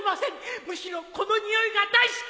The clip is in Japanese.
むしろこのにおいが大好きです！